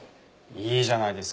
いいじゃないですか。